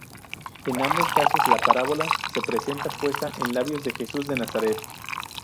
En ambos casos la parábola se presenta puesta en labios de Jesús de Nazaret.